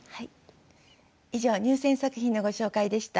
以上入選作品のご紹介でした。